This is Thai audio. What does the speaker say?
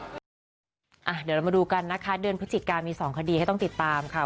เดี๋ยวเรามาดูกันนะคะเดือนพฤศจิกามี๒คดีให้ต้องติดตามค่ะ